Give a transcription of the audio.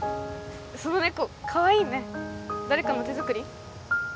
その猫かわいいね誰かの手作り？